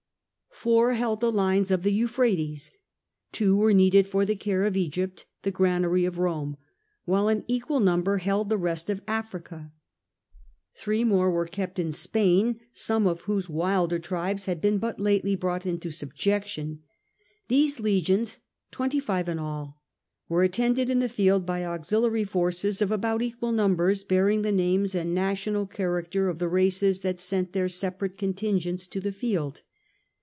Four held the lines of the Euphrates, two were needed for the care of Egypt, the granary of Rome, while an equal number held tl^e rest of Africa. Three more were kept in Spain, some of whose wilder tribes had been but lately brought into sub jection. These legions, twenty five in all, were attended in the field by auxiliary forces of about equal numbers, bearing the names and national character of the races that sent their separate contingents to the field.